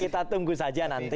kita tunggu saja nanti